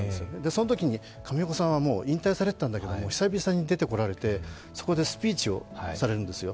そのときに上岡さんはもう引退されていたんだけども、久々に出てこられてそこでスピーチをされるんですよ。